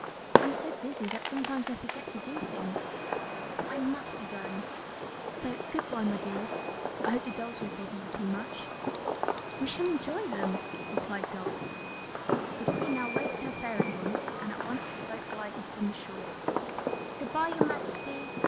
I am so busy that sometimes I forget to do things. But I must be going, so goodbye my dears; I hope the dolls won't bother you too much." "We shall enjoy them," replied Dot. The Queen now waved her fairy wand and at once the boat glided from the shore. "Good bye, your Majesty!"